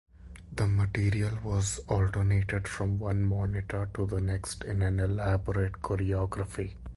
The material was alternated from one monitor to the next in an elaborate choreography.